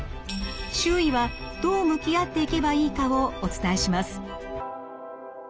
周囲はどう向き合っていけばいいかをお伝えします。